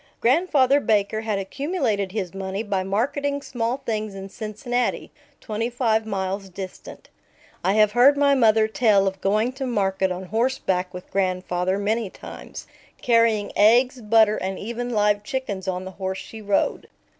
Grandfather Baker had accumulated his money by marketing small things in Cincinnati, twenty five miles distant. I have heard my mother tell of going to market on horseback with grandfather many times, carrying eggs, butter, and even live chickens on the horse she rode.